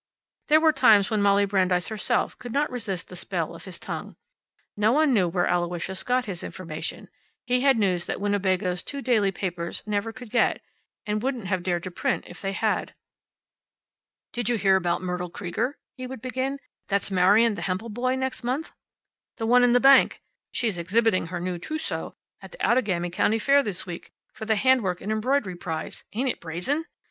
There were times when Molly Brandeis herself could not resist the spell of his tongue. No one knew where Aloysius got his information. He had news that Winnebago's two daily papers never could get, and wouldn't have dared to print if they had. "Did you hear about Myrtle Krieger," he would begin, "that's marryin' the Hempel boy next month? The one in the bank. She's exhibiting her trewsow at the Outagamie County Fair this week, for the handwork and embroid'ry prize. Ain't it brazen?